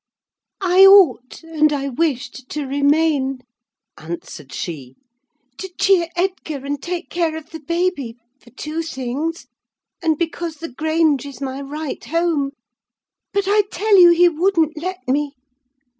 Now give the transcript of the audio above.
"I ought, and I wished to remain," answered she, "to cheer Edgar and take care of the baby, for two things, and because the Grange is my right home. But I tell you he wouldn't let me!